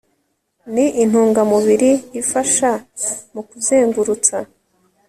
ni intungamubiri ifasha mu kuzengurutsa